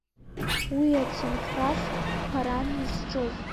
Уи ацынхәрас қәԥаран изҿыз.